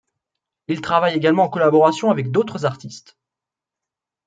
Il travaille également en collaboration avec d'autres artistes.